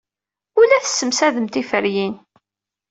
Ur la tessemsadem tiferyin.